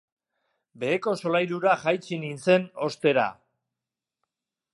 Beheko solairura jaitsi nintzen ostera.